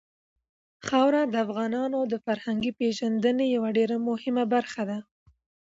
خاوره د افغانانو د فرهنګي پیژندنې یوه ډېره مهمه برخه ده.